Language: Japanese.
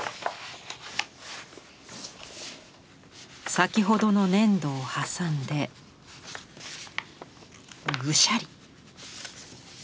先ほどの粘土を挟んでぐしゃり。